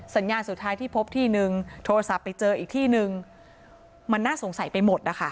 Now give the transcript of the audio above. สัญญาณสุดท้ายที่พบที่นึงโทรศัพท์ไปเจออีกที่นึงมันน่าสงสัยไปหมดนะคะ